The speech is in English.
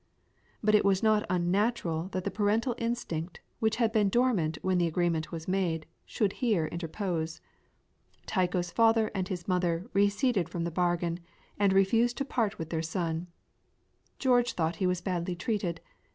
But it was not unnatural that the parental instinct, which had been dormant when the agreement was made, should here interpose. Tycho's father and mother receded from the bargain, and refused to part with their son. George thought he was badly treated.